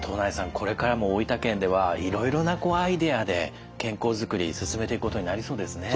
これからも大分県ではいろいろなアイデアで健康づくり進めていくことになりそうですね。